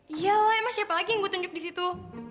iya lah emang siapa lagi yang gue tunjuk di situ